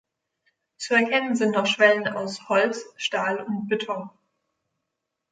Zu erkennen sind noch Schwellen aus Holz, Stahl und Beton.